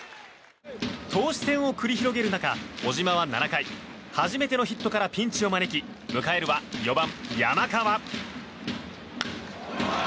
投手戦を繰り広げる中小島は７回初めてのヒットからピンチを招き迎えるは４番、山川。